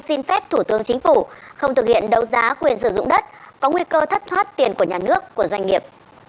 xin phép thủ tướng chính phủ không thực hiện đấu giá quyền sử dụng đất có nguy cơ thất thoát tiền của nhà nước của doanh nghiệp